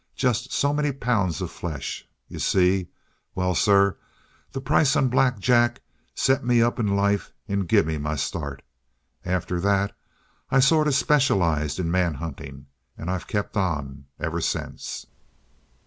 Just so many pounds of flesh. You see? Well, sir, the price on Black Jack set me up in life and gimme my start. After that I sort of specialized in manhunting, and I've kept on ever since."